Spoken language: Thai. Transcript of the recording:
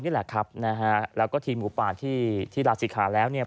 นี่แหละครับนะฮะแล้วก็ทีมหมูป่าที่ที่ลาศิขาแล้วเนี่ย